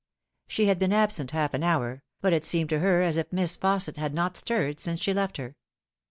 She had been absent nalf an hour, but it seemed to her as if Miss Fausset had not stirred since she left her.